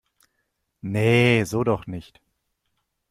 Nee, so doch nicht!